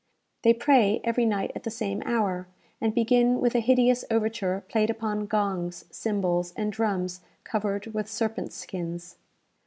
They pray every night at the same hour, and begin with a hideous overture played upon gongs, cymbals, and drums covered with serpent skins.